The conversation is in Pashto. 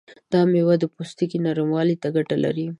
دا میوه د پوستکي نرموالي ته ګټه لري.